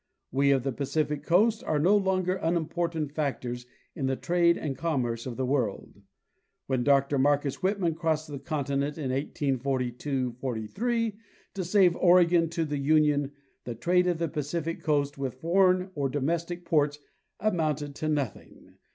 We of the Pacific coast are no longer unimportant factors in the trade and commerce of the world. When Dr Marcus Whitman crossed the continent in 1842 48 to save Oregon to the union, the trade of the Pacific coast with foreign or domestic ports amounted to nothing.